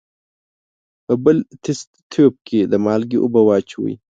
په بل تست تیوب کې د مالګې اوبه واچوئ.